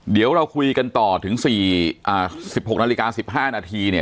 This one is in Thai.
เดี๋ยวเราคุยกันต่อถึง๑๖นาฬิกา๑๕นาทีเนี่ย